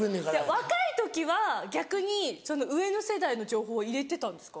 若い時は逆にその上の世代の情報を入れてたんですか？